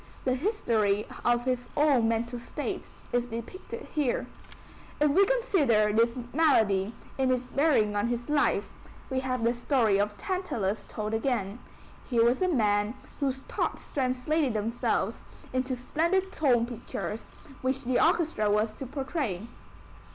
The history of his own mental state is depicted here. If we consider his malady in its bearing on his life, we have the story of Tantalus told again. Here was a man whose thoughts translated themselves into splendid tone pictures which the orchestra was to portray.